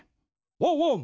ワンワン！